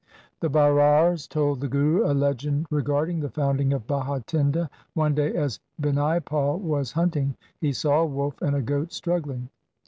The Bairars told the Guru a legend regarding the founding of Bhatinda. One day, as Binaipal was hunting, he saw a wolf and a goat struggling.